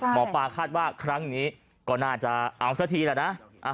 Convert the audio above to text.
หมอปลาคาดว่าครั้งนี้ก็น่าจะเอาซะทีแหละนะ